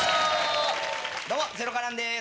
どうもゼロカランです。